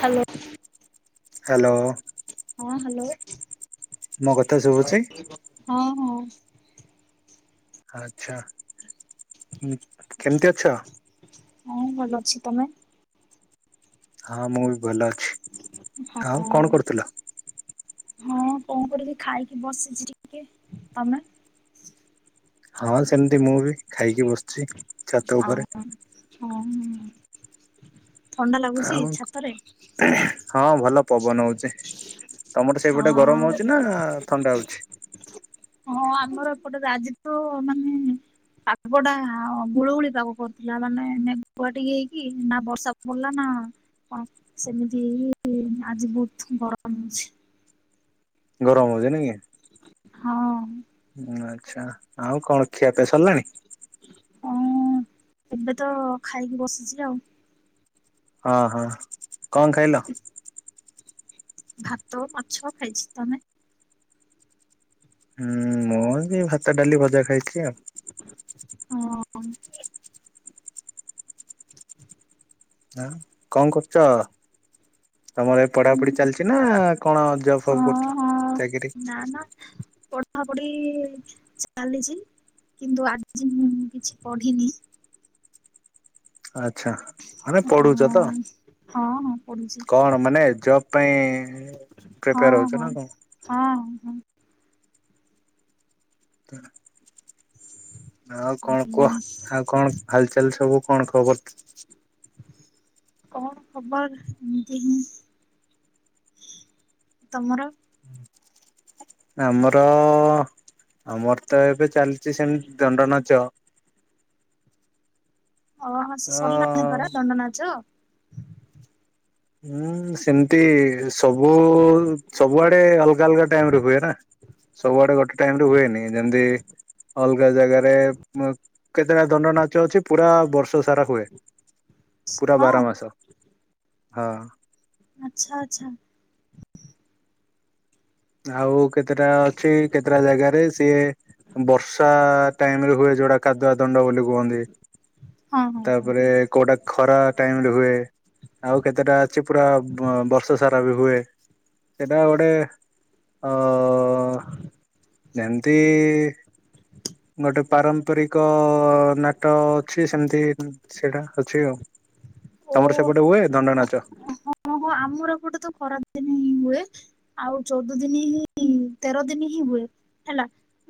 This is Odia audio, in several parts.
ହାଲୋ। ହ୍ୟାଲୋ। ହଁ ହ୍ୟାଲୋ। ମୋ କଥା ଶୁଭୁଚି? ହଁ ହଁ ଆଛା କେମିତି ଅଛ? ହଁ ଭଲ ଅଛି ତମେ? ହଁ ମୁଁ ବି ଭଲ ଅଛି ହଁ ଆଉ କଣ କରୁଥିଲ? କଣ କରିବି ଖାଇକି ବସିଛି ଟିକେ, ତମେ? ହଁ ସେମିତି ମୁଁ ବି ଖାଇକି ବସିଚି ଛାତ ହଁ ଉପରେ। [unintelligible] ଥଣ୍ଡା ଲାଗୁଚି ଆଉ ଛାତରେ? ହଁ ଭଲ ପବନ ହଉଛି ତମର ସେଇପଟେ ଗରମ ହଁ। ହଉଛି ନା ଥଣ୍ଡା ହଉଛି? ହଁ ଆମର ଏପଟେ ରାଜି ତ ମାନେ ପାଗ ଟା ଗୁଳୁଗୁଳି ପାଗ କରୁଥିଲା ମାନେ ମେଘୁଆ ଟିକେ ହେଇକି ନା ବର୍ଷା ପଡିଲା ନା- ହଁ ସେମିତିଇ ଆଜି ବହୁତ ଗରମ ହଉଛି। ଗରମ ହଉଛି ନ କି? ହଁ ହୁଁ ଆଚ୍ଛା ଆଉ କଣ ଖିଆ ପିଆ ସରିଲାଣି? ହଁ ଏବେ ତ ଖାଇକି ବସିଛି ଆଉ। ହଁ ହଁ କଣ ଖାଇଲ? ଭାତ ମାଛ ଖାଇଛି, ତମେ? ହୁଁ ମୁଁ ବି ଭାତ ଡାଲି ଭଜା ଖାଇଛି ଆଉ। ହଁ ଆଁ କଣ କରୁଛ? ତମର ଏ ପଢାପଢି ହଁ ଚାଲିଛି ନା କଣ ଜବ୍ ଫବ୍ କରୁଛ ଚାକିରି? ନା ନା ପଠାପଢି ଚାଲିଛି କିନ୍ତୁ ଆଜି ମୁଁ କିଛି ପଢିନି। ଆଚ୍ଛା ମାନେ ହଁ ପଢୁଛ ତ ହଁ ହଁ ପଢୁଛି କଣ? ମାନେ ଜବ୍ ପାଇଁ- ପ୍ରିପେୟାର ହଁ ହଉଛ ହଁ ନା କଣ? ହଁ ହଁ। [unintelligible] ଆଉ କଣ କୁହ ଆଉ କଣ ହାଲଚାଲ ସବୁ କଣ ଖବର? କଣ ଖବର ଏମିତି ହିଁ, ତମର? ଆମର ଆମର ତ ଏବେ ଚାଲିଛି ସେମତି ଦଣ୍ଡ ନାଚ। ଓ ହ ତ ସେ ସରିଲାଣି ପରା ଦଣ୍ଡନାଚ? ହୁଁ ସେମତି ସବୁ ସବୁଆଡେ ଅଲଗା ଅଲଗା ଟାଇମରେ ହୁଏ ନା। ସବୁଆଡେ ଗୋଟେ ଟାଇମରେ ହୁଏନି ଯେମତି ଅଲଗା ଜାଗାରେ- କେତେଟା ଦଣ୍ଡ ନାଚ ଅଛି ପୁରା ବର୍ଷ ସାରା ହୁଏ ପୁରା ହଁ ବାର ମାସ। ହଁ ଆଛା ଆଛା ଆଉ କେତେଟା ଅଛି କେତେଟା ଜାଗାରେ ସିଏ ବର୍ଷା ଟାଇମ ରେ ହୁଏ ଯୋଉଟା କାଦୁଆ ଦଣ୍ଡ ବୋଲି କୁହନ୍ତି। ହଁ ହଁ ହଁ ତାପରେ କୋଉଟା ଖରା ଟାଇମରେ ହୁଏ। ଆଉ କେତେଟା ଅଛି ପୁରା ବର୍ଷ ସାରା ବି ହୁଏ ସେଟା ଗୋଟେ ଅ ଯେମତି ଗୋଟେ ପାରମ୍ପରିକ ନାଟ ଅଛି ସେମିତି ସେଇଟା ଅଛି ଆଉ ତମର ସେପଟେ ହୁଏ ଦଣ୍ଡ ନାଚ? ଓଁ ହୋ ଆମର ଏପଟେ ତ ଖରା ଦିନ ହିଁ ହୁଏ। ଆଉ ଚଉଦ ଦିନ ହିଁ ତେର ଦିନ ହିଁ ହୁଏ ହେଲା।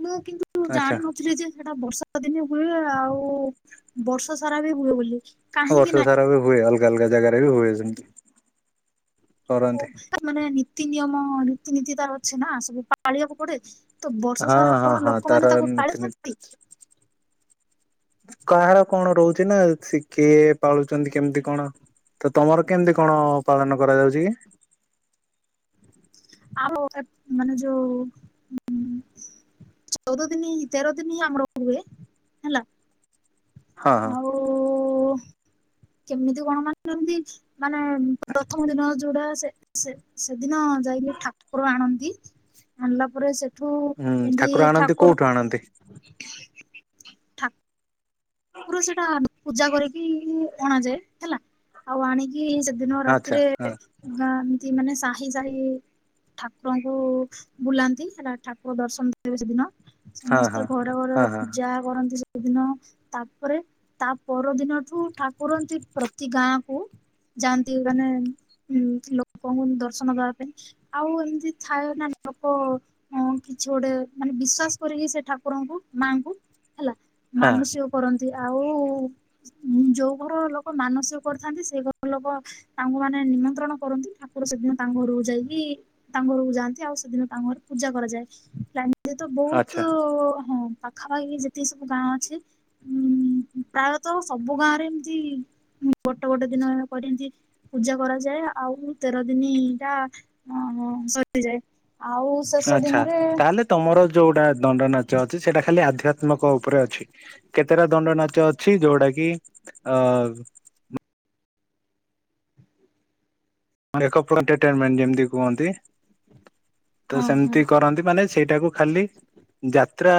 ମୁଁ କିନ୍ତୁ ମୁଁ ଆଚ୍ଛା ଜାଣିିନଥିଲି ଯେ ସେଟା ବର୍ଷା ଦିନେ ହୁଏ ଆଉ ବର୍ଷ ସାରା ବି ହୁଏ ବୋଲି। କାହିଁକି ବର୍ଷ ନା ସାରା ବି ହୁଏ ଅଲଗା ଅଲଗା ଜାଗାରେ ବି ହୁଏ ସେମିତି କରନ୍ତି। ମାନେ ନୀତି ନିୟମ ନୀତିରୀତି ତାର ଅଛି ନା ସବୁ ପାଳିବାକୁ ପଡେ? ତ ବର୍ଷ ହଁ ସାରା ହଁ କଣ ହଁ ତାର ଲୋକମାନେ ତାକୁ ନୀତି ପାଳିଥାନ୍ତି? [unintelligible] କାହାର କଣ ରହୁଛି ନା ସେ କିଏ ପାଳୁଛନ୍ତି କେମିତି କଣ? ତ ତମର କେମିତି କଣ ପାଳନ କରାଯାଉଛି କି? ଆଉ ମାନେ ଯୋଉ ଚଉଦ ଦିନ ହିଁ ତେର ଦିନ ହିଁ ଆମର ହୁଏ ହେଲା। ହଁ ହଁ। ଓ କେମିତି କଣ ମାନନ୍ତି? ମାନେ ପ୍ରଥମ ଦିନ ଯୋଉଡା ସେ ସେ ସେଦିନ ଯାଇକି ଠାକୁର ଆଣନ୍ତି ଆଣିଲା ପରେ ସେ ହୁଁ ଠାକୁର ଆଣନ୍ତି କୋଉଠୁ ଆଣନ୍ତି? ପୁରା ସେଇଟା ପୂଜା କରିକି ଅଣାଯାଏ ହେଲା ଆଉ ଆଣିକି ଦିନ ଆଚ୍ଛା ରାତିରେ ହଁ ଏମିତି ମାନେ ସାହି ସାହି ଠାକୁରଙ୍କୁ ବୁଲାନ୍ତି ହେଲା ଠାକୁର ଦର୍ଶନ ଦେବେ ସେଦିନ। ହଁ ହଁ ସମସ୍ତେ ଘରେ ଘରେ ହଁ ହଁ ପୂଜା କରନ୍ତି ସେଏଦିନ। ତାପରେ ତା ପରଦିନଠୁ ଠାକୁରନ୍ତି ପ୍ରତି ଗାଁ କୁ ଯାଆନ୍ତି ମାନେ ଉ ଲୋକଙ୍କୁ ଦର୍ଶନ ଦବା ପାଇଁ। ଆଉ ଏମିତି ଥାଏ ମନେ ପକ ହଁ କିଛି ଗୋଟେ ମାନେ ବିଶ୍ୱାସ କରିକି ସେ ଠାକୁରଙ୍କୁ ମାଙ୍କୁ ହେଲା ହଁ ମାନସିକ କରନ୍ତି ଆଉ ଯୋଉ ଘର ଲୋକ ମାନସିକ କରିଥାନ୍ତି ସେ ଘର ଲୋକ ତାଙ୍କୁ ମାନେ ସେଦିନ ନିମନ୍ତ୍ରଣ କରନ୍ତି ଠାକୁର ସେଦିନ ତାଙ୍କ ଘରକୁ ଯାଇକି ତାଙ୍କ ଘରକୁ ଯାଆନ୍ତି ଆଉ ସେଦିନ ତାଙ୍କ ଘର ପୂଜା କରାଯାଏ ଏ ତ ଆଚ୍ଛା ବହୁତୁ ହଁ ପାଖାପାଖି ଯେତିକି ସବୁ ଗାଁ ଅଛି [unintelligible] ଉଁ ପ୍ରାୟତଃ ସବୁ ଗାଁରେ ଏମତି ଗୋଟେ ଗୋଟେ ଦିନ କରିନ୍ତି ପୂଜା କରାଯାଏ ଆଉ ତେର ଦିନଟା ସରିଯାଏ। ଆଉ ଶେଷ ଆଚ୍ଛା ଦିନରେ ତାହେଲେ ତମର ଯୋଉଟା ଦଣ୍ଡ ନାଚ ଅଛି ସେଇଟା ଖାଲି ଆଧ୍ୟାତ୍ମିକ ଉପରେ ଅଛି। କେତେଟା ଦଣ୍ଡ ନାଚ ଅଛି ଯୋଉଟା କି ଅ ଯେମତି କୁହନ୍ତି ତ ହଁ ହଁ ସେମିତି କରନ୍ତି ମାନେ ସେଇଟାକୁ ଖାଲି ଯାତ୍ରା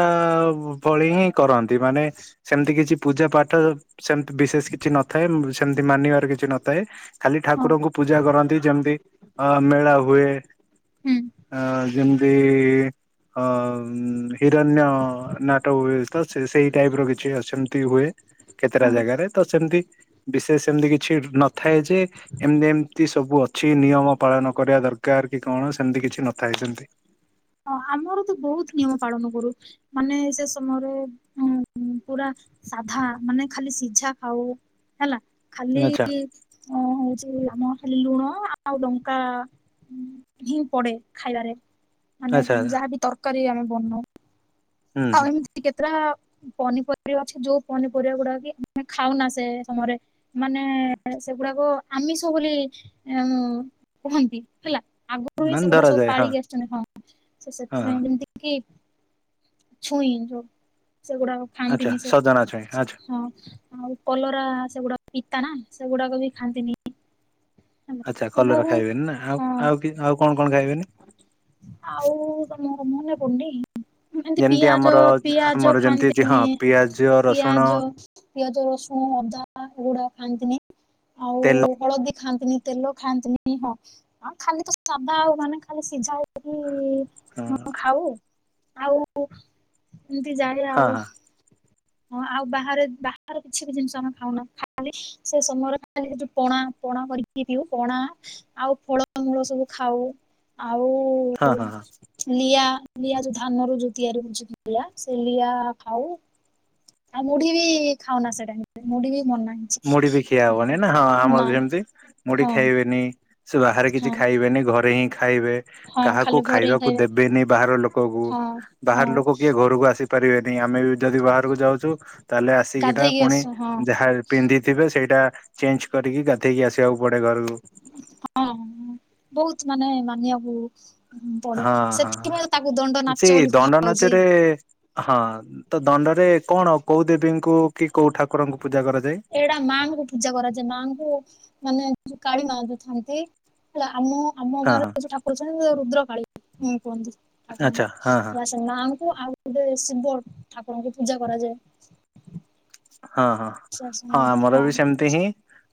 ଭଳି ହିଁ କରନ୍ତି ମାନେ ସେମିତି କିଛି ପୂଜା ପାଠ ସେମତି ବିଶେଷ କିଛି ନଥାଏ ସେମତି ମାନିବାର କିଛି ନଥାଏ ଖାଲି ହଁ ଠାକୁରଙ୍କୁ ପୂଜା କରନ୍ତି ଯେମିତି ଅ ମେଳା ହୁଏ ହୁଁ ଯେମ ଅ ହିରଣ୍ୟ ନାଟକ ହୁଏ। ତ ସେ ସେଇ ଟାଇପ ର କିଛି ସେମିତି ହୁଏ କେତେଟା ହଁ। ଜାଗାରେ ତ ସେମିତି ତ ବିଶେଷ ସେମିତି କିଛି ନଥାଏ ଯେ ଏମତି ଏମ ଏତି ସବୁ ଅଛି ନିୟମ ପାଳନ କରିବା ଦରକାର କି କଣ ସେମିତି କିଛି ନଥାଇ ସେମତି ହଁ ଆମର ତ ବହୁତ ନିୟମ ପାଳନ କରୁ ମାନେ ସେ ସମୟରେ ଉ ପୁରା ସାଧା ମାନେ ଖାଲି ସିଝା ଖାଉ ହେଲା ଖାଲି ଆଚ୍ଛା ଓଁ ହଉଛି ଆମ ଖାଲି ଲୁଣ ଆଉ ଲଙ୍କା। ହିଁ ପଡେ ଖାଇବାରେ ମାନେ ଆଚ୍ଛା ଯାହାବି ତରକାରୀ ଆମେ ବନଉ। ହୁଁ ହୁଁ ଆଉ ଏମିତି କେତେ ଟା ପନିପରିବା ଅ ଯୋଉ ପନିପରିବା ଗୁଡା କି ଆମେ ଖାଉନା ସେ ସମୟରେ ମାନେ ସେଗୁଡାକ ଆମିଷ ବୋଲି ଉ କୁହନ୍ତି ହେଲା। ଆଗରୁ ହିଁ ମାନେ ସେଗୁଡା ସବୁ ଧରାଯାଏ ହଁ ପାଳିକି ଆସିଛନ୍ତି ହଁ ସେ ହଁ ହଁ ସେଥିପାଇଁ ଯେମିତି କି ଛୁଇଁ ଯୋଉ ସେଗୁଡା ଆଚ୍ଛା ଖାଆନ୍ତିନି ସେ ସଜନା ଛୁଇଁ ଆଚ୍ଛା। ହଁ। ଆଉ ପଲରା ସେଗୁଡା ପିତା ନା ସେଗୁଡାକ ବି ଖାଆନ୍ତିନି। ହେଲା ଆଚ୍ଛା କଲରା ବହୁତ ଖାଇବେନି ନା ଆଉ ହଁ ଆଉ ଆଉ କଣ କଣ ଖାଇବେନି? ଆଉ ତମର ମନେ ପଡୁନି? ଏତି ଯେମିତି ପିଆଜ ଆମର ପିଆଜ ଆମର ଯେମିତି ଅଛି ଖାଆନ୍ତିନି ହଁ ପିଆଜ ରସୁଣ ପିଆଜ। ପିଆଜ, ରସୁଣ, ଅଦା ଏଗୁଡା ଖାଆନ୍ତିନି ଆଉ ତେଲ ହଳଦୀ ଖାଆନ୍ତିନି। ତେଲ ଖାଆନ୍ତିନି ହଁ ଖାଲି ତ ସାଦା ଆଉ ମାନେ ଖାଲି ସିଝା ହେକି ହଁ ଖାଉ ଆଉ ଏମିତି ଜାଣ ହଁ ଆଉ ହଁ ହଁ ଆଉ ବାହାରେ ବାହହାର କିଛି ବି ଜିନିଷ ଆମେ ଖାଉନା ଖାଲି ସେ ସମୟ ଉ ପଣା ପଣା କରିକି ପିଉ ପଣା ଆଉ ଫଳମୂଳ ସବୁ ଖାଉ ଆଉ ହଁ ହଁ ଲିଆ ଲିଆ ଯୋଉ ଧାନ ର ଯୋଉ ତିଆରି ହଉଛି ଲିଆ ସେ ଲିଆ ଖାଉ ଆଉ ମୁଢି ବି ଖାଉନା ସେଟାଇ ମୁଢି ବି ମନ ନାହିଁ। ମୁଢି ବି ଖିଆ ହବନି ନା ହଁ ଆମର ଯେମିତି ମୁଢି ହଁ ଖାଇବେନି ସେ ବାହାରେ ହଁ କିଛି ଖାଇବେନି ଘରେ ହିଁ ଖାଇବେ। ହଁ କାହାକୁ ଖାଲି ଘରେ ହିଁ ଖାଇବାକୁ ଖାଇବେ ଦେବେନି ବାହାର ଲୋକକୁ। ହଁ ହଁ ବାହାର ଲୋକ କିଏ ଘରକୁ ଆସି ପାରିବେନି ଆମେ ବି ଯଦି ବାହାରକୁ ଯାଉଛୁ ତାହେଲେ ଆସିକିନା ଗାଧେଇକି ପୁଣି ଆସୁ ହଁ ଯାହା ପିନ୍ଧିଥିବେ ସେଇଟା ଚେଞ୍ଜ କରିକି ଗାଧେଇକି ଆସିବାକୁ ପଡେ ଘରକୁ ହଁ ବହୁତ ମାନେ ମାନିବାକୁ ହ ପଡେ ହଁ ହଁ ସେଥିପାଇଁ ତାକୁ ଦଣ୍ଡ ସେ ନାଚ ବୋଲି ଦଣ୍ଡ କୁହାଯାଉଛି। ନାଚରେ ହଁ ତ ଦଣ୍ଡରେ କଣ କୋଉ ଦେବୀଙ୍କୁ କି କୋଉ ଠାକୁରଙ୍କୁ ପୂଜା କରାଯାଏ? ଏଇଟା ମାଙ୍କୁ ପୂଜା କରାଯାଏ ମାଙ୍କୁ ମାନେ ଯ କାଳିୀ ମା ଯଥାନ୍ତି। ହେଲା ଆମ ଆମ ହଁ ଗାଁରେ ହଁ ଯୋଉ ଠାକୁର ଅଛନ୍ତି ରୁଦ୍ରକାାଳୀ କୁହନ୍ତି ଆଚ୍ଛା ହଁ ହଁ ଠାକୁରଙ୍କୁ। ସେ ମାଆଙ୍କୁ ଆଉ ଗୋଟେ ଶିବ ଠାକୁରଙ୍କୁ ପୂଜା କରାଯାଏ। ହଁ ହଁ। ହଁ ଆମର ବି ସେମିତି ହିଁ [unintelligible]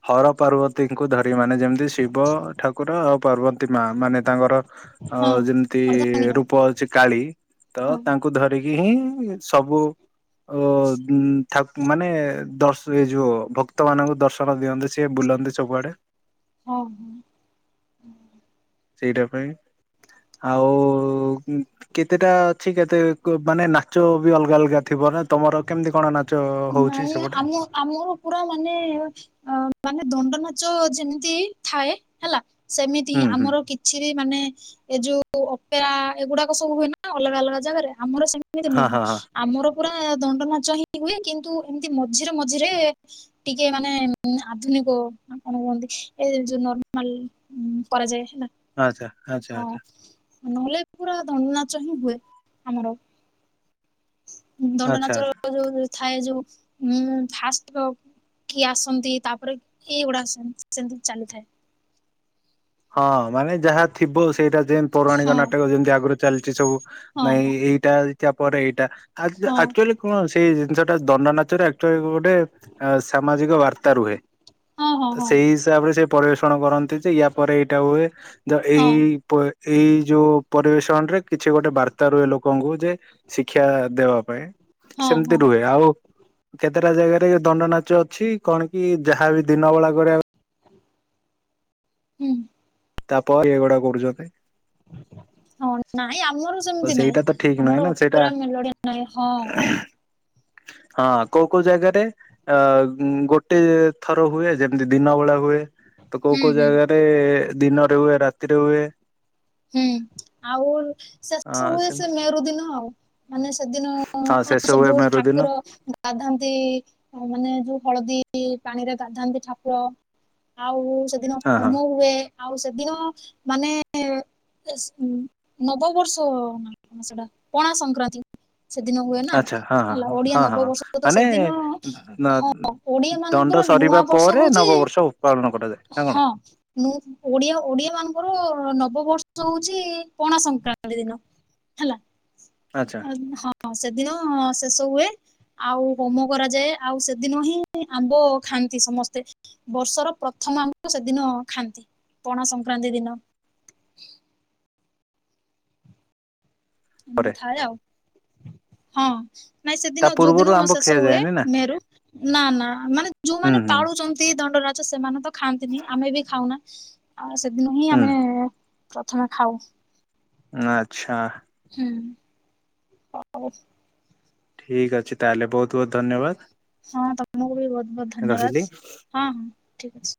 ହର ପାର୍ବତ ଙ୍କୁ ଧରି ମାନେ ଯେମିତି ଶିବ ଠାକୁର ଆଉ ପାର୍ବତୀ ମା ମାନେ ତାଙ୍କର ଅ ହଁ ଯେମିତି ଅର୍ଦ୍ଧାଙ୍ଗିନୀ ରୂପ ଅଛି କାଳୀ ତ ହଁ ତାଙ୍କ କୁ ଧରିକି ହିଁ ସବୁ ମାନେ ଦର୍ ଏଇ ଯୋଉ ଭକ୍ତ ମାନଙ୍କୁ ଦର୍ଶନ ଦିଅନ୍ତି ସିଏ ବୁଲନ୍ତି ସବୁଆଡେ ହଁ। ସେଇଟା ପାଇଁ ଆଉ କେତେଟା ଅଛି କେତେ ମାନେ ନାଚ ବି ଅଲଗା ଅଲଗା ଥିବ ନା ତମର କେମିତି କଣ ନାଚ ହଉଛି ନାଇଁ ସେପଟେ ଆମେ ଆମର ପୁରା ମାନେ ଅ ମାନେ ଦଣ୍ଡ ନାଚ ଯେମିତି ଥାଏ ହେଲା ସେମିତି ହିଁ ହୁଁ ହୁଁ ଆମର ଛି ମାନେ ଏ ଯୋଉ ଅପେରା ଏଗୁଡାକ ସବୁ ହୁଏ ନା ଅଲଗା ଅଲଗା ଜାଗାରେ ଆମର ସେ ଏମତି ହଁ ନୁହଁ ହଁ ହଁ ଆମର ପୁରା ଦଣ୍ଡ ନାଚ ହିଁ ହୁଏ କିନ୍ତୁ ଏମିତି ମଝିରେ ମଝିରେ ଟିକେ ମାନେ ଆଧୁନିକ କଣ କୁହନ୍ତି ଏ ଯୋଉ ନର୍ମାଲ ହୁଁ ପ ଯାଇସେ ଆଚ୍ଛା ଆଚ୍ଛା ହଁ ଆଚ୍ଛା ନହେଲେ ପୁରା ଦଣ୍ଡ ନାଚ ହିଁ ହୁଏ ଆମର। ଦଣ୍ଡ ଆଚ୍ଛା ନାଚ ଯୋଉ ଥାଏ ଯୋଉ ଉଁ ଫାଷ୍ଟ କିଏ ଆସନ୍ତି ତାପରେ ଏଇଗୁଡା ସେମତି ଚାଲିଥାଏ। ହଁ ମାନେ ଯାହା ଥିବ ସେଇଟା ଯେ ପୌରାଣିକ ହଁ ନାଟକ ଯେମତି ଆଗରୁ ଚାଲିଛି ସବୁ ହଁ ନାଇଁ ଏଇ ଏଇଟାଇ ପରେ ଏଇଟା ଆ ହଁ ଆଚୁଆଲି କଣ ସେଇ ଜିନିଷଟା ଦଣ୍ଡ ନାଚରେଚୁଆ ଗୋଟେ ଅ ସାମାଜିକ ବାର୍ତ୍ତା ରୁହେ ହଁ ହଁ ତ ହଁ ସେଇ ସେିସାବରେ ସେ ପରିବେଷଣ କରନ୍ତି ଯେ ୟା ପରେ ଏଇଟା ହୁଏ ଯେ ହଁ ଏଇ ଏଇ ଯୋଉ ପରିବେଷଣ ରେ କିଛି ଗୋଟେ ବାର୍ତ୍ତା ରୁହେ ଲୋକଙ୍କୁ ଯେ ଶିକ୍ଷା ଦେବା ପାଇଁ ହଁ ହଁ ସେମିତି ରୁହେ ଆଉ କେତେଟା ଜାଗାରେ ଦଣ୍ଡ ନାଚ ଅଛି କଣ କି ଯାହାବି ଦିନ ବେଳା କରିବା [inaudible] ତାପ ଏଗୁଡା କରୁଛନ୍ତି। ହଁ ନାଇଁ ଆମର ତ ସେମିତି ନାଇଁ ସେଇଟା ତ ଠିକ ନୁହେଁ ଆମର ନା ସେଇଟା ଅତୁରା ମେଲଡିଆ ନାଇଁ ହଁ। ହଁ କୋଉ କୋଉ ଜାଗାରେ? ଅ ଗୋଟେ ଥର ହୁଏ, ଯେମିତି ଦିନ ବେଳେ ହୁଏ। ତ କୋଉ ହୁଁ କୋଉ ହୁଁ। ଜାଗାରେ ଦିନରେ ହୁଏ, ରାତିରେ ହୁଏ। ହୁଁ ଆଉ ଶେଷ ହଁ ହୁଏ, ସେ ସେମତି ମେରୁ ଦିନ ଆଉ ମାନେ ସେଦିନ ହଁ ଶେଷ ହୁଏ ସବୁ ମେରୁ ଦିନ ଠାକୁର ଗାଧାନ୍ତି, ମାନେ ଯୋଉ ହଳଦୀ ପାଣିରେ ଗାଧାନ୍ତି ଠାକୁର ଆଉ ସେଦିନ ହଁ ହଁ ହୋମ ହୁଏ, ଆଉ ସେଦିନ ମାନେ ନବବର୍ଷ ସେଟା ପଣା ସଂକ୍ରାନ୍ତି। ସେଦିନ ହୁଏ ନା, ଆଚ୍ଛା ହଁ ହେଲା, ହଁ ଓଡିଆ ହଁ ହଁ ନବବର୍ଷ ତ ମାନେ ସେଦିନ ଖ ଓଡିଆ ଦଣ୍ଡ ମାନଙ୍କର ନୂଆ ସରିବା ବର୍ଷ ପରେ ହଉଛି, ନବବର୍ଷ ପାଳନ କରାଯାଏ ନା କଣ ହଁ ମୁଁ ଓଡିଆ ଓଡିଆ ମାନଙ୍କର ନବବର୍ଷ ହଉଛି ପଣା ସଂକ୍ରାନ୍ତି ଦିନ, ହେଲା। ଆଛା। ହଁ ସେଦିନ ଶେଷ ହୁଏ। ଆଉ ହୋମ କରାଯାଏ ଆଉ ସେଦିନ ହିଁ ଆମ୍ବ ଖାଆନ୍ତି ସମସ୍ତେ। ବର୍ଷର ପ୍ରଥମ ଆମ୍ବ ସେଦିନ ଖାଆନ୍ତି, ପଣା ସଂକ୍ରାନ୍ତି ଦିନ। ଏମିତି ପରେ ଥାଏ ଆଉ, ହଁ। ନାଇଁ ତା ସେଦିନ, ପୂର୍ବରୁ ଯୋଉଦିନ ଆମ୍ବ ଶେଷ ହୁଏ ଖିଆଯାଏନି ନା ମେରୁ ନା ନା ମାନେ ହୁଁ ଯୋଉମାନେ ହୁଁ ପାଳୁଛନ୍ତି ଦଣ୍ଡରା ସେମାନେ ତ ଖାଆନ୍ତିନି, ଆମେ ବି ଖାଉନା ଆଉ ସେଦିନ ହିଁ ହୁଁ ଆମେ ପ୍ରଥମେ ଖାଉ। ଆଛା। ହୁଁ ଠିକ୍ ଅଛି ତାହେଲେ, ବହୁତ ବହୁତ ଧନ୍ୟବାଦ। ହଁ ତମକୁ ବି ବହୁତ ବହୁତ ରହିଲି। ଧନ୍ୟବାଦ, ହଁ ହଁ ଠିକ ଅଛି।